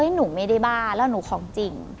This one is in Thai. หนูไม่ได้บ้าแล้วหนูของจริง